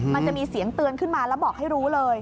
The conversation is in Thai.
มันจะมีเสียงเตือนขึ้นมาแล้วบอกให้รู้เลย